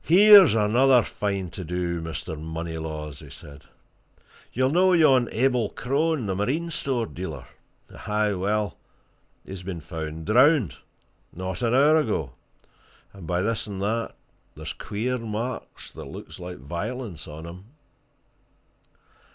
"Here's another fine to do, Mr. Moneylaws!" said he. "You'll know yon Abel Crone, the marine store dealer? Aye, well, he's been found drowned, not an hour ago, and by this and that, there's queer marks, that looks like violence, on him!"